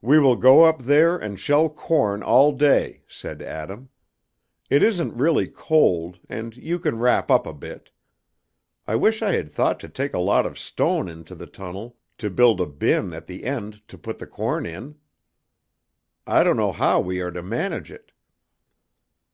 "We will go up there and shell corn all day," said Adam. "It isn't really cold, and you can wrap up a bit. I wish I had thought to take a lot of stone into the tunnel to build a bin at the end to put the corn in. I don't know how we are to manage it."